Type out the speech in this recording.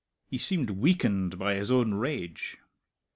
He seemed weakened by his own rage.